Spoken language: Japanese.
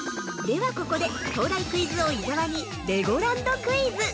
では、ここで東大クイズ王・伊沢にレゴランドクイズ。